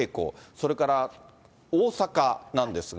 それから大阪なんですが。